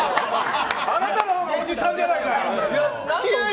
あなたのほうがおじさんじゃないか！